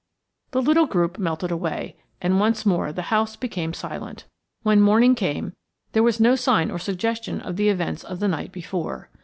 The little group melted away, and once more the house became silent. When morning came there was no sign or suggestion of the events of the night before.